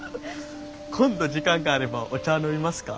今度時間があればお茶飲みますか？